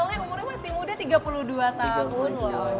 soalnya umurnya masih muda tiga puluh dua tahun